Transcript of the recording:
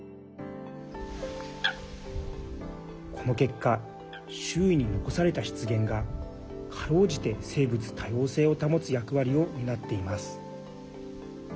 この結果、周囲に残された湿原がかろうじて生物多様性を保つ役割を担っています。